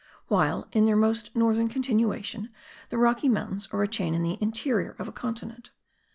while, in their most northern continuation, the Rocky Mountains are a chain in the interior of a continent.